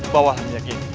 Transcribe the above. bawalah minyak ini